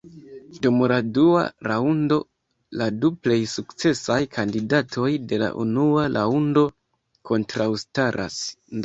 Dum la dua raŭndo la du plej sukcesaj kandidatoj de la unua raŭndo kontraŭstaras.